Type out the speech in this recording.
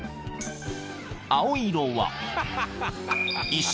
［青色は］